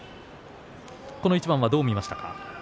この一番はどう見ましたか？